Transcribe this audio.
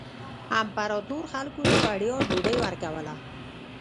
امپراتور خلکو ته وړیا ډوډۍ ورکوله.